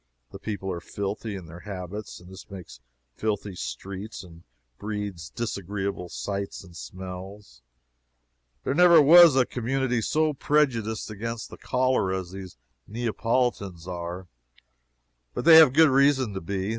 The people are filthy in their habits, and this makes filthy streets and breeds disagreeable sights and smells. There never was a community so prejudiced against the cholera as these Neapolitans are. But they have good reason to be.